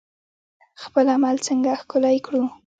خپل عمل څنګه ښکلی کړو؟